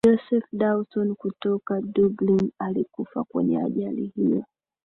joseph dawson kutoka dublin alikufa kwenye ajali hiyo